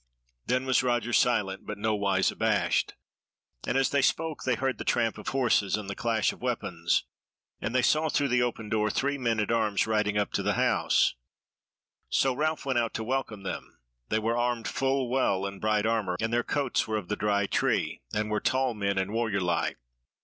Then was Roger silent, but nowise abashed; and as they spoke they heard the tramp of horses and the clash of weapons, and they saw through the open door three men at arms riding up to the house; so Ralph went out to welcome them; they were armed full well in bright armour, and their coats were of the Dry Tree, and were tall men and warrior like.